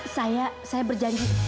saya saya berjanji